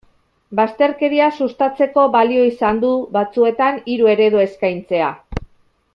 Bazterkeria sustatzeko balio izan du, batzuetan, hiru eredu eskaintzea.